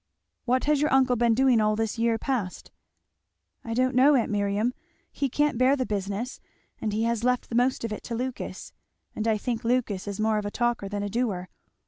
"What has your uncle been doing all this year past?" "I don't know, aunt Miriam, he can't bear the business and he has left the most of it to Lucas; and I think Lucas is more of a talker than a doer.